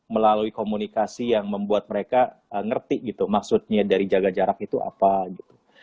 melalui komunikasi yang membuat mereka ngerti gitu maksudnya dari jaga jarak itu apa gitu